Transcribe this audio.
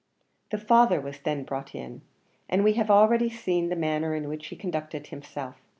The father was then brought in, and we have already seen the manner in which he conducted himself.